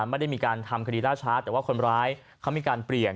ไม่ได้มีการทำคดีล่าช้าแต่ว่าคนร้ายเขามีการเปลี่ยน